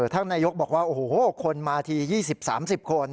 ท่านนายกบอกว่าโอ้โหคนมาที๒๐๓๐คน